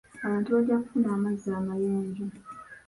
Abantu bajja kufuna amazzi amayonjo.